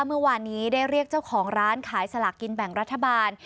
เมื่อวานนี้ได้เรียกเจ้าของร้านขายสลากกินแบ่งรัฐบาล